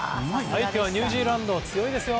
相手はニュージーランド強いですよ。